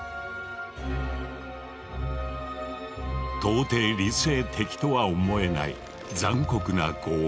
到底理性的とは思えない残酷な拷問。